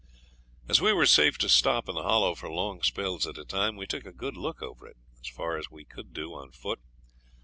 As we were safe to stop in the Hollow for long spells at a time we took a good look over it, as far as we could do on foot.